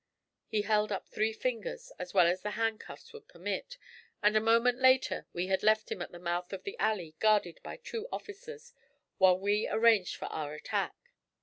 He held up three fingers as well as the handcuffs would permit, and a moment later we had left him at the mouth of the alley, guarded by two officers, while we arranged for our attack.